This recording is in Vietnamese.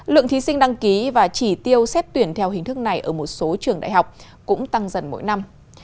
lượng thí sinh đăng ký và chỉ tiêu xét tuyển theo hình thức này ở một số trường đại học cũng tăng dần mỗi năm